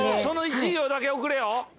その１行だけ送れよ。